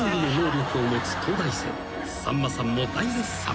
［さんまさんも大絶賛］